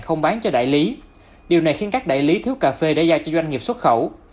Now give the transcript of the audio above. không bán cho đại lý điều này khiến các đại lý thiếu cà phê để giao cho doanh nghiệp xuất khẩu